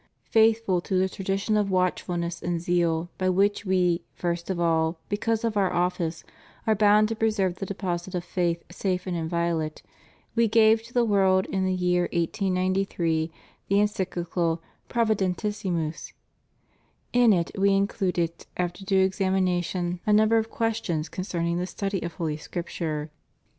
Faithful to the tradition of watchfulness and zeal by which We, first of all, because of Our office, are bound to preserve the deposit of faith safe and inviolate. We gave to the world in the year 1893 the Encyclical Provi dentissimus. In it We included, after due examination, a number of questions concerning the study of Holy Scrip ture.